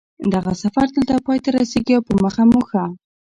دغه سفر دلته پای ته رسېږي او په مخه مو ښه